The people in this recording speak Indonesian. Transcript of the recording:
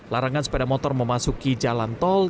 larangan sepeda motor memasuki jalan tol